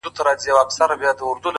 اوس به ورته ډېر ،ډېر انـتـظـار كوم.